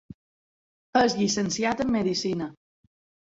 És llicenciat en medicina.